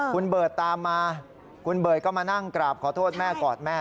คุณเบิร์ตตามมาคุณเบิร์ตก็มานั่งกราบขอโทษแม่กอดแม่